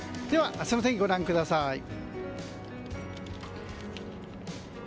では、明日の天気ご覧ください。